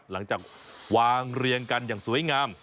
หลังจากวางเรียงกันอย่างสวยงาม